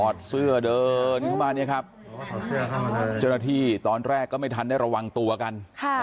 เดินเข้ามาเนี่ยครับเจ้าหน้าที่ตอนแรกก็ไม่ทันได้ระวังตัวกัน